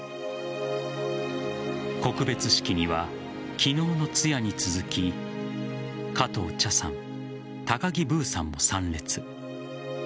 告別式には昨日の通夜に続き加藤茶さん、高木ブーさんも参列。